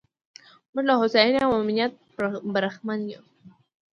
موږ له هوساینې او امنیت برخمن یو.